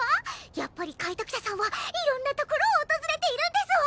やっぱり開拓者さんはいろんな所を訪れているんですわ！